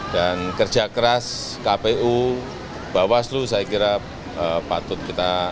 dan kerja keras kpu bawaslu saya kira patut kita lakukan